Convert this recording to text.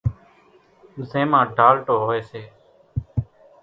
زين مان ڍالٽو ھوئي سي،